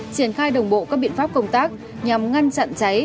triển khai đồng bộ các biện pháp công tác nhằm ngăn chặn cháy